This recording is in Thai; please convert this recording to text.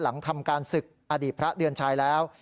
หลังทำการศึกอดีตพระเดือนชัยแล้ว